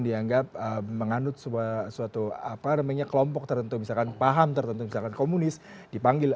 dianggap menganut suatu kelompok tertentu misalkan paham tertentu misalkan komunis dipanggil